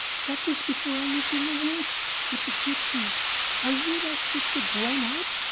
That was before I lived in the woods with the gipsies. Are you that sister grown up?